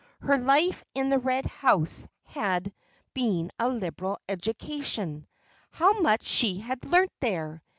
Her life in the Red House had been a liberal education. How much she had learnt there!